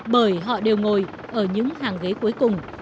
bởi họ đều ngồi ở những hàng ghế cuối cùng